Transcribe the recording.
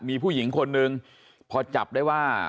มีผู้หญิงคนนึงพอจับได้ว่า